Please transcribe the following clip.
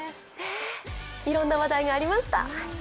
いろんな話題がありました。